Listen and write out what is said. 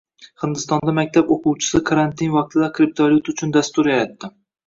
Hindistonda maktab o‘quvchisi karantin vaqtida kriptovalyuta uchun dastur yaratdi